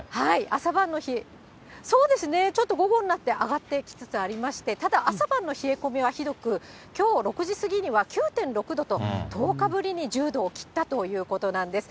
朝晩の、そうですね、ちょっと午後になって、上がってきつつありまして、ただ、朝晩の冷え込みはひどく、きょう６時過ぎには９．６度と、１０日ぶりに１０度を切ったということなんです。